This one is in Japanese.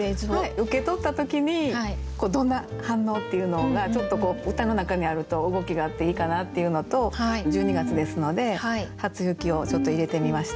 受け取った時にどんな反応っていうのがちょっとこう歌の中にあると動きがあっていいかなっていうのと１２月ですので「初雪」をちょっと入れてみました。